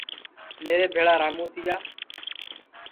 میرے بھیݪا راموں تِیا